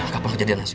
kapan kejadiannya sih